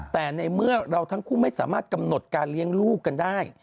แต่ในเมื่อเราทั้งคู่ไม่สามารถกำหนดการเลี้ยงลูกกันได้